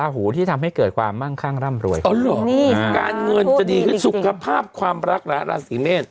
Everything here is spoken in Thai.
อ๋อหรอการเงินจะดีขึ้นสุขภาพความรักละราศิเมตร